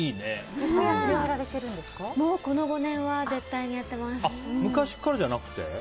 もうこの５年は昔からじゃなくて？